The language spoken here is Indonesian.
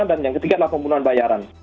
dan yang ketiga adalah pembunuhan bayaran